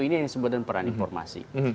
ini yang disebutkan peran informasi